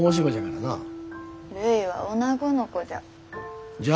るいはおなごの子じゃ。